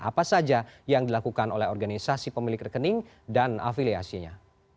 apa saja yang dilakukan oleh organisasi pemilik rekening dan afiliasinya